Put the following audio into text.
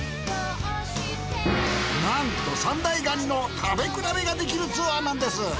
なんと三大ガニの食べ比べができるツアーなんです。